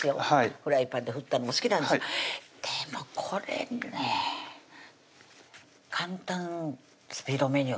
フライパンで振ったのも好きなんですでもこれね「簡単スピードメニュー」